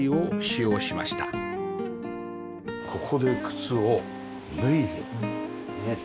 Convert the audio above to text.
ここで靴を脱いで。